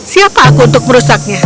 siapa aku untuk merusaknya